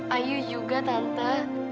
ayu juga tante